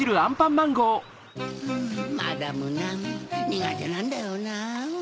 マダム・ナンにがてなんだよなぁ。